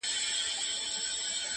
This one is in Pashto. چې په دې دور کښې د ښکلو نه وفا غواړي